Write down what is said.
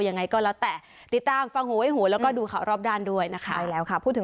ยังไงก็แล้วแต่ติดตามฟังหัวไว้หัวแล้วก็ดูข่าวรอบด้านด้วยนะคะ